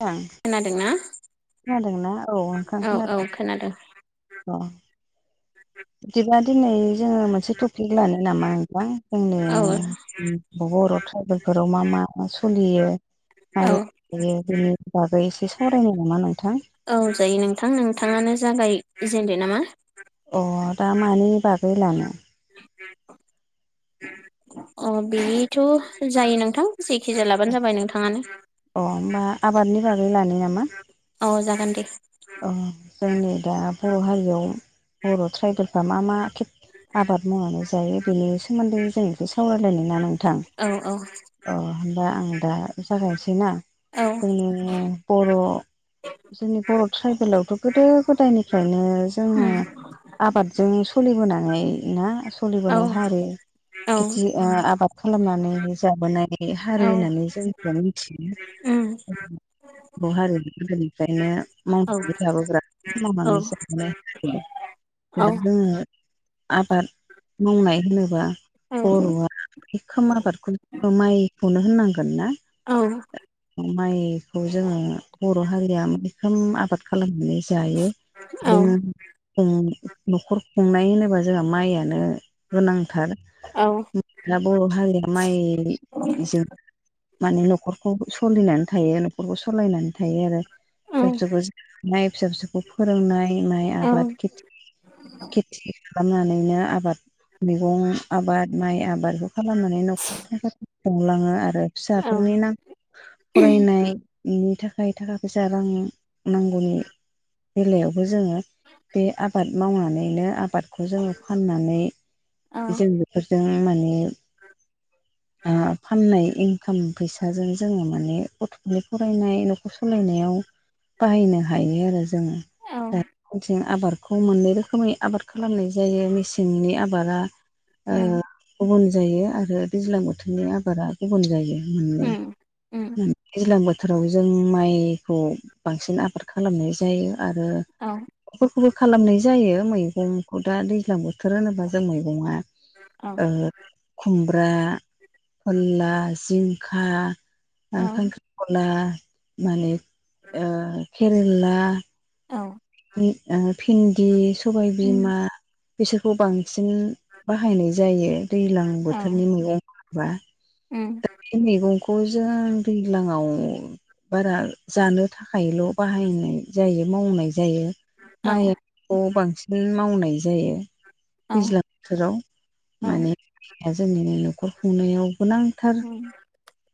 नोंथां खोनादों ना खोनादोंना औ नोंथां खोनादों अ [inaudible] बिदिबा दिनै जोङो मोनसे टपिक लानि नामा नोंथां औ जोंनि बर' ट्राइबेलफोराव मा मा सोलियो औ मारै बेनि बागै एसे सावरायनाय नामा नोंथां औ जायो नोंथां नोंथाङानो जागायजेनदो नामा अ दा मानि बागै लानो अ बिनिथ' जायो नोंथां जेखिजाया लाब्लानो जाबाय नोंथाङानो अ होमबा आबादनि बागै लानि नामा औ जागोन दे जोंनि दा बर' हारियाव बर' ट्राइबेलफ्रा मा मा आबाद मावनानै जायो बेनि सोमोन्दै जों बेखौ सावरायलायनोना नोंथां औ औ अ होनबा आं दा जागायनोसै ना औ जोंनि बर' जोंनि बर' ट्राइबेलावथ' गोदो गोदायनिफ्रायनो जोङो उम आबादजों सोलिबोनानै ना औ सोलिबोनाय हारि औ खेथि आबाद खालामनानै जाबोनाय हारि औ होननानै जोंखौ मिथियो उम बर' हारिया गोदोनिफ्रायनो औ [unintelligible] जोङो औ औ आबाद मावनाय होनोबा बर'आ औ ओंखाम आबादखौ माइ माइखोनो होननांगोन ना औ माइखौ जोङो बर' हारिया माइखौ ओखोम आबाद खालामनानै जायो औ बिजोंनो जों न'खर खुंनाय होनोबा जोंहा माइयानो गोनांथार औ दा बर' हारिया माइजों माने न'खरखौ सोलिनानै थायो न'खरखौ सालायनानै थायो आरो फिसा फिसौखौ जानाय फिसा फिसौखौ फोरोंनाय माइ आबाद खेथि खेथि खालामनानैनो आबाद मैगं आबाद माइ आबाद बेखौ खालामनानै न'खरखौ खुंलाङो आरो फिसाफोरनि ना फरायनायनि थाखाय थाखा फैसा रां नांगौनि बेलायावबो जोङो बे आबाद मावनानैनो आबाद खौ जोङो फाननानै औ जों बेफोरजों माने ओ फाननाय इनकाम फैसाजों जोङो माने गथ'फोरनि फरायनाय न'खर सलायनायाव बाहायनो हायो आरो जोङो औ दा [inaudible] थिं आबारखौ मोननै रोखोमै आबाद खालामनाय जायो मेसेंनि आबादा उम ओ गुबुन जायो आरो दैज्लां बोथोरनि आबारा गुबुन जायो मोननै उम उम दैज्लां बोथोराव जों माइखौ बांसिन आबार खालामनाय जायो आरो औ फोरखौबो खालामनाय जायो मैगंखौ दा दैज्लां बोथोर होनोबा जों मैगङा औ ओ खुमब्रा फोल्ला जिंखा ओ औ खांख्रिखला माने ओ केरेला औ फि ओ भिन्दि उम सबायबिमा बिसोरखौ बांसिन बाहायनाय जायो दैज्लां औ बोथोरनि मैगंफोर बा उम बे मैगंखौ जों दैज्लाङाव बारा जानो थाखायल' बाहायनाय जायो मावनाय जायो औ माइ खौ बांसिन मावनाय जायो दैज्लां बोथोराव औ माने या जोंनि नै न'खर खुंनायावबो गोनां उम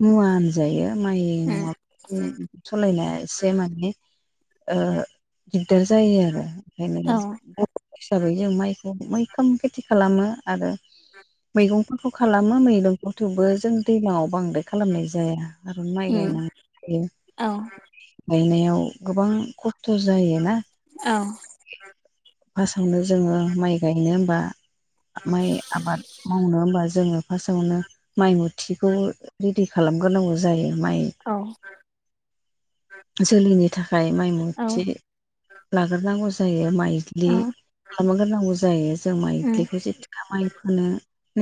मुवा होनजायो माइ उम नङा [inaudible] सालायनाया एसे माने ओ दिगदार जायो आरो ओंखायनो जों हिसाबै जों माइखौ मैखोम खेथि खालामो आरो मैगंफोरखौ खालामो मैगंखौ थेवबो जों दैलाङाव बांद्राय खालामनाय जाया आरो माइ गायनांगौ जायो गायनायाव गोबां खस्थ' जायोना औ फासावनो जोङो माइ गायनो होनबा माइ आबाद मावनो होमबा जोङो फार्स्टआवनो माइ मुथिखौ रेदि खालामग्रोनांगौ जायो माइ जोलैनि थाखाय माइ मुथि लाग्रोनांगौ जायो माइज्लि खालामग्रोनांगौ जायो जों माइज्लिखौ जेथिखा माइ फोनो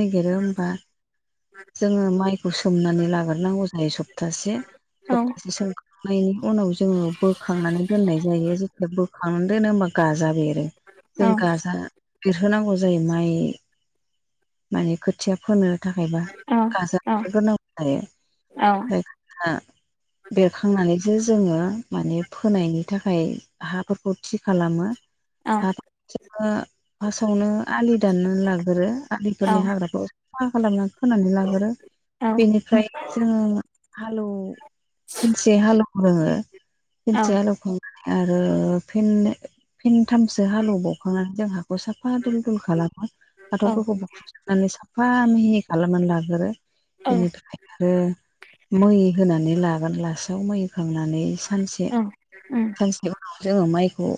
नागिरो होमबा जोङो माइखौ सोमनानै लाग्रोनांगौ जायो सप्तासे सप्तासे सोमखांनायनि उनाव जोङो बोखांनानै दोननाय जायो जेखालि बोखां नानै दोनो होमबा गाजा बेरो जों गाजा बेरहोनांगौ जायो माइ माने खोथिया फोनो थाखायबा गाजाफोर नांगौ जायो ओमफ्राय गाजा बेरखांनानैसो जोङो माने फोनायनि थाखाय हाफोरखौ थि खालामो [inaudible] हा [inaudible] जोङो फासावनो आलि दाननानै लाग्रोयो आलिफोरनि हाग्राखौ साफा खालामनानै खोनानै लाग्रो बेनिफ्राय जोङो हालौ फिनसे हालौग्रोयो फिनसे हालौवखांनानै आरो फिननै फेनथामसो हाले एवबावखांनानै जों हाखौ साफा दुल दुल खालामो हाथरफोरखौ बुख्रुबजोबनानै साफा मिहियै खालामनानै लागोरो बेनिफ्राय आरो मै होनानै लागोन लासै थाव मै होखांनानै सानसे सानसे जोङो माइखौ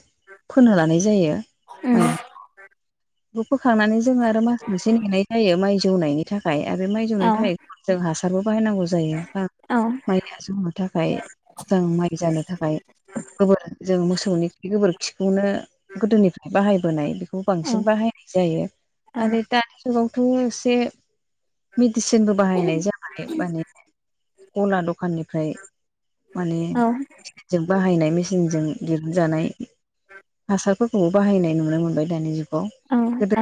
फोनो लानाय जायो माइ बेखौ फोखांनानै जोङो आरो मास मोनसे नेनाय जायो माइ जौनायनि थाखाय आरो माइ जौनायनि थाखाय जों हासारबो बाहायनांगौ जायो बा माइया जौनो थाखाय मोजां माइ जानो थाखाय गोबोर जों मोसौनि खि गोबोर सिखौनो गोदोनिफ्राय बाहायबोनाय बेखौ बांसिन बाहायनाय जायो आरो दानि जुगाबावथ' एसे मेडिसिनबो बाहायनाय जाबाय माने गला दखाननिफ्राय माने [unintelligible] जों बाहायनाय मेसिनजों दिरुनजानाय हासारफोरखौबो बाहायनाय नुनो मोनबाय दानि जुगाव गोदो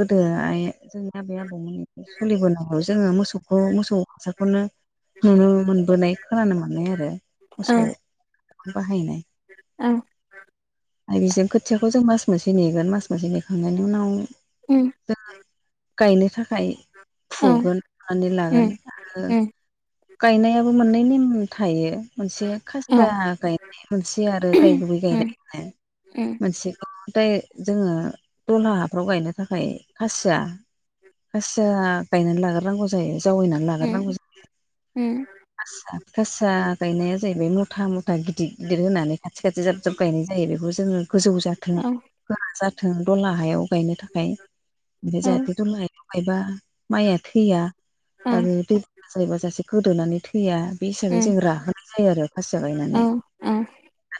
गोदो आइ जोंनि आबै आबौमोननि सोलिबोनांगौ जोङो मोसौखौ मोसौ हासारखौनो नुनो मोनबोनाय खोनानो मोननाय आरो मोसौ बाहायनाय ओं आरो बेजों खोथियाखौ जों मास मोनसे नेगोन मास मोनसे नेखांनायनि उनाव उम जों गायनो थाखाय फुगोननानै लागोन गायनायाबो मोननै नेम थायो मोनसे खासिया गायनाय मोनसे आरो गाय गुबै गायनाय मोनसेखौ दाइरेक्ट जोंङो दलहा हाफ्राव गायनो थाखाय खासिया खासिया गायनानै लाग्रोनांगौ जावैनानै लाग्रनांगौ जायो उम खासा खासा गायनाया जाहैबाय मथा मथा गिदिर गिदिर होनानै खाथि खाथि जाब जाब गायनाय जायो बेखौ जोंङो गोजौ जाथों होआ जाथों दला हायाव गायनो थाखाय आ ओमफ्राय जाहाथे दल हायाव गायबा माइआ थैया आरो दै हासायबाजासे गोदोनानै थैया बे हिसाबै जों राहोनाय जायो आरो खासिया गायनानै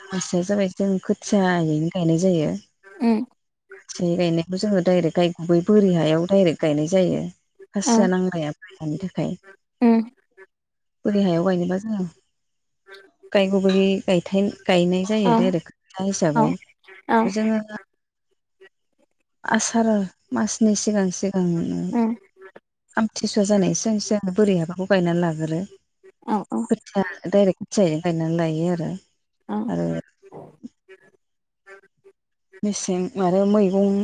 खासेया जाबाय जों खोथियायैनो गायनाय जायो उम गायनायखौ जोंङो दडाइरेक्ट गाय गुबै बोरि हायाव दडाइरेक्ट गायनाय जायो खासिआ नांलाया बानि थाखाय उम बोरि हायाव गायनोबा जोंङो गायगुबै गाय गायनाय जायो डरेक्ट खोथिया हिसाबै जोंङो [unintelligible] [inaudible] आसार मासनि सिगां सिगांनो आमथिसुव जानाय इसेबां एसे आंङो बोरै हाबाखौ गायनानै लागोरो औ औ खोथिया डायरेक्ट खोथियैनो गायनानै लायो आरो आरो [inaudible] मेसें आरो मैगं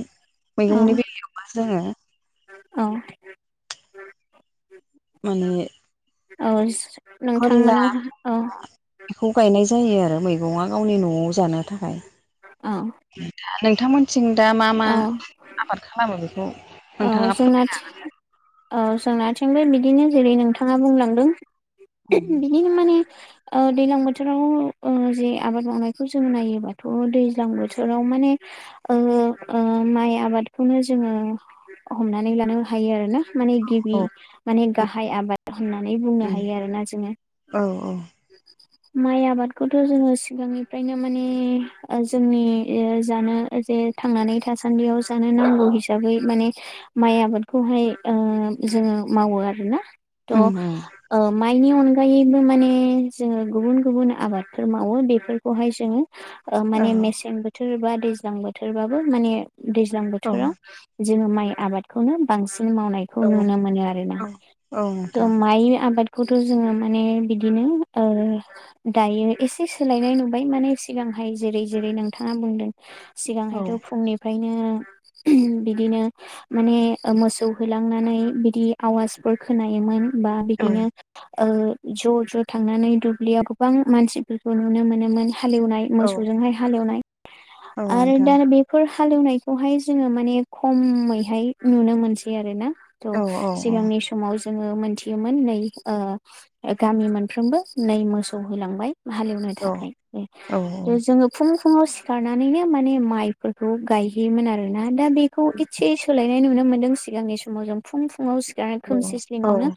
मैगंनि बेलायावबा जोङो औ माने औ फोरला नोंथांमोनावहा औ बेखौ गायनाय जायो आरो मैगंङा गावनि न'आव जानो थाखाय औ द नोंथांमोनथिं दा मा मा औ आबाद खालामो बेखौ औ नोंथांङा फोरमा जोंना औ जोंनाथिंबो बिदिनो जेरै नोंथांङा बुंलांदों बिदिनो माने दैज्लां बोथोराव जे आबाद मावनायखौ जों नायोबाथ' दैज्लां बोथोराव माने ओ-ओ माइ आबादखौनो जोंङो हमनानै लानो हायो आरोना माने औ गिबि माने गाहाय आबाद होननानै बुंनो उम हायो आरोना जोंङो औ औ माइ आबादखौथ' जोङो सिगांनिफ्रायनो माने जोंनि जानो जे थांनानै थासानदियाव जानो नांगौ हिसाबै माने माइ आबादखौहाय ओ जोङो मावो आरोना थ उम उम माइनि अनगायैबो माने जोङो गुबुन गुबुन आबादफोर मावो बेफोरखौहाय जोङो औ माने मेसें बोथोर बा दैज्लां बोथोरबाबो माने दैज्लां औ बोथोराव जोङो माइ आबादखौनो बांसिन मावनाय खौ औ नुनो मोनो आरोना औ औ त' नोंथां माइ आबाद खौथ' जोङो माने बिदिनो दायो एसे सोलायनाय नुबाय माने सिगांहाय जेरै जेरै नोंथाङा बुंदों औ सिगांहायथ' फुंनिफ्रायनो बिदिनो माने मोसौ होलांनानै बिदि आवाजफोर खोनायोमोन बा औ बिदिनो ज' ज' थांनानै दुब्लियाव गोबां मानसिफोरखौ नुनो मोनोमोन हाल एवनाय मोसौजोंहाय हाल एवनाय औ आरो नोंथां दा बे फोर हाल एवनायखौहाय जोङो माने खमैहाय नुनो मोनसै आरो ना त' औ औ सिगांनि स समाव जोंङो मोनथियोमोन नै गामि मोनफ्रोमबो नै मोसौ होलांबाय हाले एवनो औ थाखाय औ जोंङो फुं फुंङाव सिखारनानैनो माने माइफोरखौ गायहैयोमोन आरोोना दा बेखौ इसे सोलायनाय नुनो मोनदों सिगांनि सम माव जों फुं फुङाव सिखारनानै खोमसि ल्सिंयावनो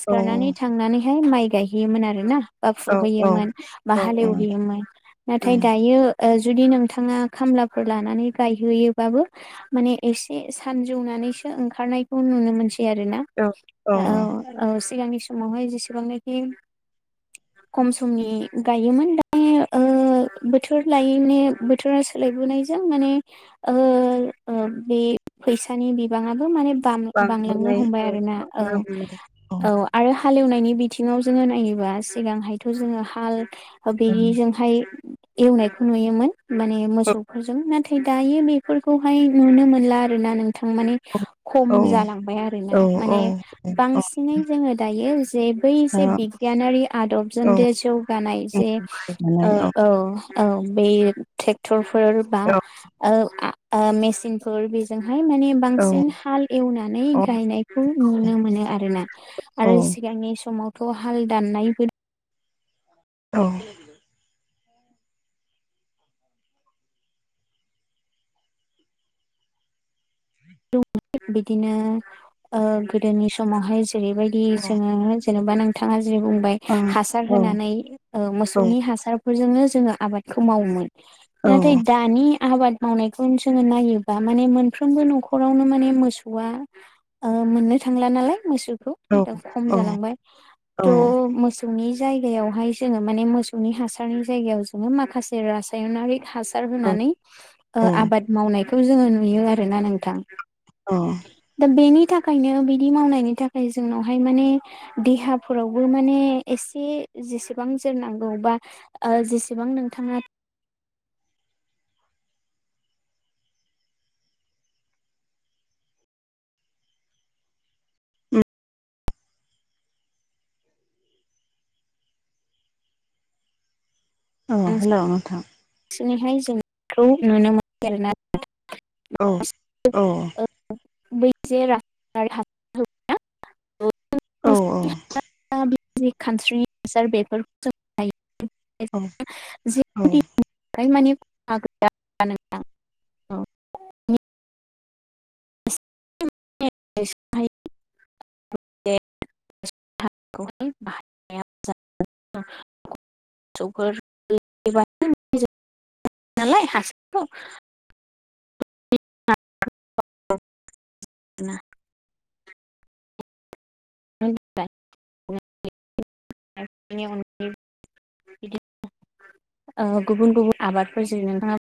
सिखारनानै थांनानैहाय माइ गाय हैयोमोन आरोना बा फुहैयोमोन बा हाल नोंथां एवहैयोमोन औ नाथाय दायो जुदि नोंथाङा खामलाफोर लानानै गायहैयोबाबो माने एसे सानजौनानैसो ओंखारनायखौ नुनो मोनसै आरोना औ औ सिगांनि समावहाय जेसेबांनाखि खम समनि गायोमोन दायो ओम ओम बोथोर लायैनि बोथोर सोलायबोनायजों माने ओ बे फैसानि बिबाङाबो माने बांलांनो बांबोनाय हमबाय औ आरोना औ बांबोनाय औ आरो हाल एवनायनि बिथिङाव जोङो नायोबा सिगांहायथ' जोङो हाल औ बिदिजोंहाय एवनायखौ नुयोमोन माने मोसौ गथ'फोरजों नाथाय दायो बेफोरखौहाय नुनो मोनला आरोना नोंथां माने खम औ जालांबाय आरोना औ औ माने बांसिनै जोङो दायो जे बै जे बिगियानारि आदबजोंनो जौगानाय जे औ औ बे ट्रेक्टरफोर बा ओ आ मेसिन फोर बेजोंहाय माने बांसिन हाल एवनानै गायनायखौ नुनो मोनो आरोना आरो सिगांनि समावथ' हाल दाननायबो औ बिदिनो गोदोनि समावहाय जेरैबायदि इ, औ जोङो जेनेबा नोंथाङा जे बुंबाय ओ हासार औ होनानै औ मोसौनि हासारफोरजोंनो जोङो आबादखौ मावोमोन नाथाय दा आबाद मावनायखौ जोङो नायोबा माने मोनफ्रोमबो न'ख खरावनो माने मोसौआ मोननो थांला नालाय मोसौखौ औ दा खम औ जालांबाय थ' मोसौ नि जायगायावहाय जोङो माने मोसौनि हासारनि जायगायाव जोङो माखासे रासायनारि हा सार औ होनानै औ आबाद मावनायखौ जोङो नुयो आरोना नोंथां अ दा बेनि थाखायनो बिदि मावनायनि थाखाय जोंनावहाय माने देहाफोरावबो माने एसे जेसेबां जोरनांगौ बा ओ जेसेबां नोंथाङा [inaudible] अ हेलौ नोंथां बांसिनैहाय जोंखौ नुनो मोनो आरोना औ औ बै [unintelligible] औ औ [unintelligible] खानस्रिनि हासार बेफोरखौ जों औ औ जोंनि [unintelligible] [unintelligible] [unintelligible] [unintelligible] [unintelligible] नालाय हासारखौ [unintelligible] [unintelligible] [unintelligible] [unintelligible] बिदि गुबुन गुबुन आबादफोरजों नोंथाङा